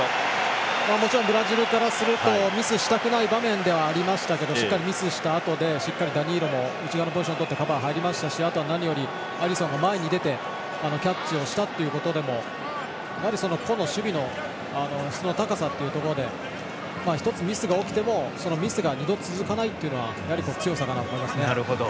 もちろんブラジルからするとミスしたくない場面ではありましたけどしっかりミスしたあとでダニーロも内側のポジションに入ってカバーに入りましたしあとは何より、アリソンが前に出てキャッチしたところで個の守備の質の高さっていうところで１つ、ミスが起きてもミスが２度続かないというのは強さかなと思います。